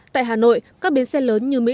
tại hà nội các biến xe lớn như mỹ